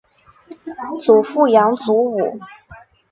祖父杨祖武。